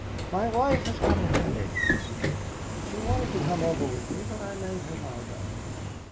"My wife has got a headache," he said. "She wanted to come over with me, but I made her lie down.